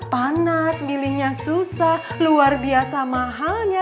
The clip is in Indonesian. panas gilingnya susah luar biasa mahalnya